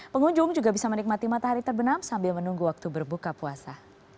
pengunjung juga bisa menikmati matahari terbenam sambil menunggu waktu berbuka puasa